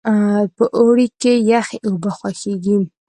په اوړي کې یخې اوبه خوښیږي.